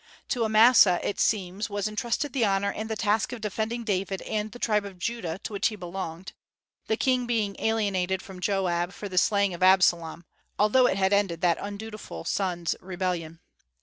To Amasa, it seems, was intrusted the honor and the task of defending David and the tribe of Judah, to which he belonged, the king being alienated from Joab for the slaying of Absalom, although it had ended that undutiful son's rebellion.